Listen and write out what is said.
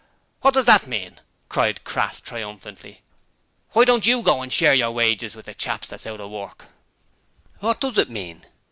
'What does that mean?' cried Crass, triumphantly. 'Why don't you go and share your wages with the chaps what's out of work?' 'What does it mean?'